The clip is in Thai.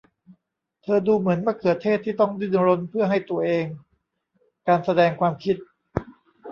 เธอดูเหมือนมะเขือเทศที่ต้องดิ้นรนเพื่อให้ตัวเองการแสดงความคิด